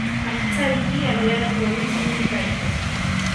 aqtsayki allaapa wiswimim kaykan.